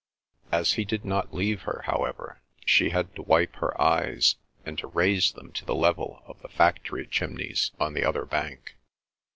As he did not leave her, however, she had to wipe her eyes, and to raise them to the level of the factory chimneys on the other bank.